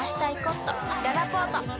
ららぽーと